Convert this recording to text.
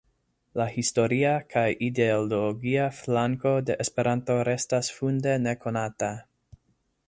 La historia kaj ideologia flanko de Esperanto restas funde nekonata.